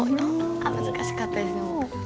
難しかったですでも。